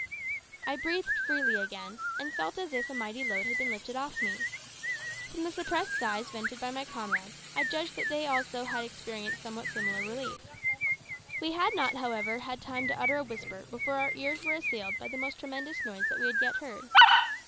I breathed freely again, and felt as if a mighty load had been lifted off me. From the suppressed sighs vented by my comrades, I judge that they also had experienced somewhat similar relief. We had not, however, had time to utter a whisper before our ears were assailed by the most tremendous noise that we had yet heard.